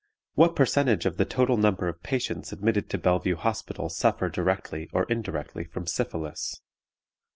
What percentage of the total number of patients admitted to Bellevue Hospital suffer directly or indirectly from syphilis?